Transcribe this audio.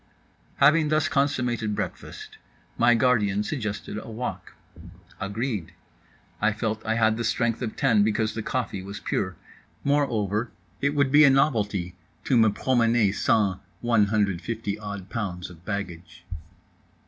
Having thus consummated breakfast, my guardian suggested a walk. Agreed. I felt I had the strength of ten because the coffee was pure. Moreover it would be a novelty to me promener sans 150 odd pounds of baggage.